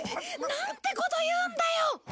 なんてこと言うんだよ！